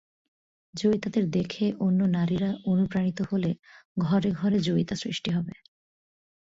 জয়িতাদের দেখে অন্য নারীরা অনুপ্রাণিত হলে ঘরে ঘরে জয়িতা সৃষ্টি হবে।